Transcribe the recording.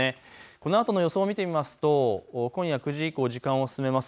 このあとの予想を見てみますと今夜９時以降、時間を進めます。